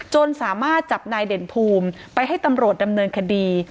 สามารถจับนายเด่นภูมิไปให้ตำรวจดำเนินคดี